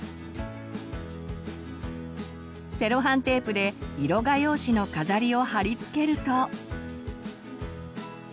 セロハンテープで色画用紙の飾りを貼り付けると。